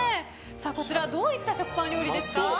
こちらはどういった食パン料理ですか？